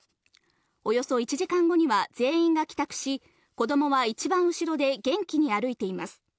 およそ１時間後には全員が帰宅し、子どもは一番後ろで元気に歩いています。